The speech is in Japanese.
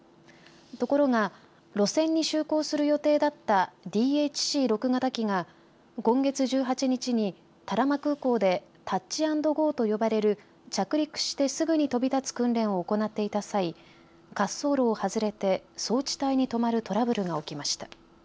ところが路線に就航する予定だったＤＨＣ６型機が今月１８日に多良間空港でタッチアンドゴーと呼ばれる着陸してすぐに飛び立つ訓練を行っていた際滑走路を外れて草地帯にとまるトラブルが起きました。